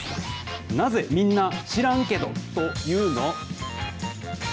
なぜみんな知らんけどと言うの。